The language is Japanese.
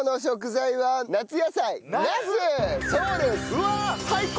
うわっ最高！